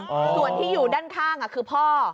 ส่วนที่อยู่ด้านข้างคือพ่อ